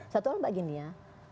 satu hal mbak gini ya